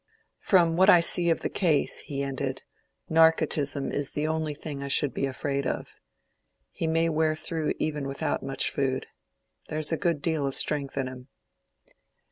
"From what I see of the case," he ended, "narcotism is the only thing I should be much afraid of. He may wear through even without much food. There's a good deal of strength in him."